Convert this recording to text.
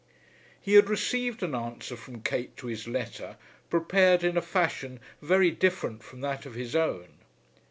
He had received an answer from Kate to his letter, prepared in a fashion very different from that of his own.